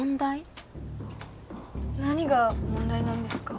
何が問題なんですか？